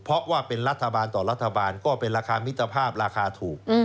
เพราะว่าเป็นรัฐบาลต่อรัฐบาลก็เป็นราคามิตรภาพราคาถูก